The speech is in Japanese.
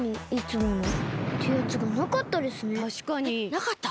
なかった？